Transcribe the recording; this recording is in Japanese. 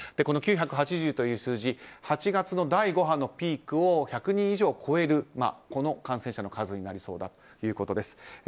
この９８０という数字８月の第５波のピークを１００人以上超える感染者の数になりそうだということです。